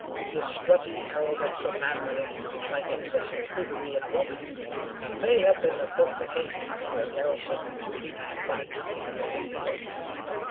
His strutty arrogance of manner, like excessive prudery in a woman, may have been a fortification to a garrison too weak to fight in the open field.